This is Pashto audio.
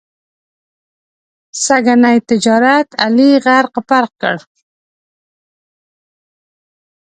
سږني تجارت علي غرق پرق کړ.